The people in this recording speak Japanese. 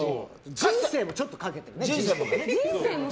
人生もちょっと賭けてね。